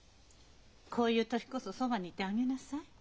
こういう時こそそばにいてあげなさい。